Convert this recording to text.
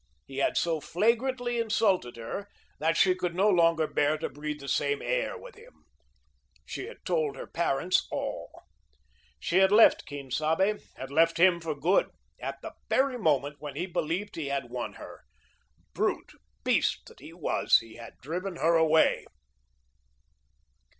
He had so flagrantly insulted her that she could no longer bear to breathe the same air with him. She had told her parents all. She had left Quien Sabe had left him for good, at the very moment when he believed he had won her. Brute, beast that he was, he had driven her away.